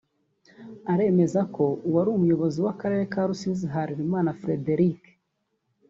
aremeza ko uwari umuyobozi w’akarere ka Rusizi Harerimana Frederic